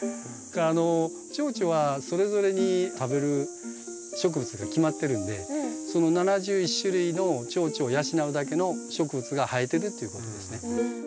あのチョウチョはそれぞれに食べる植物が決まってるんでその７１種類のチョウチョを養うだけの植物が生えてるっていうことですね。